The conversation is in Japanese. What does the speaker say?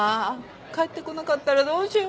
帰ってこなかったらどうしよう。